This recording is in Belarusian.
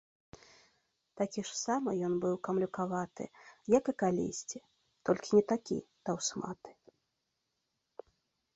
Такі ж самы ён быў камлюкаваты, як і калісьці, толькі не такі таўсматы.